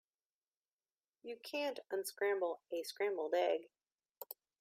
You can't unscramble a scrambled egg.